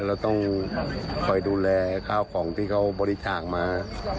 เราต้องคอยดูแลข้าวของที่เขาบริจาคมา